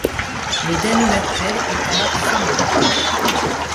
Le Danube actuel est alors formé.